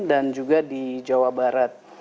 dan juga di jawa barat